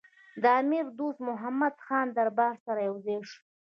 د امیر دوست محمدخان له دربار سره یو ځای شو.